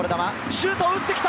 シュートを打ってきた！